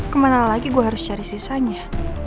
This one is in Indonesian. kemana lagi gue harus cari sisanya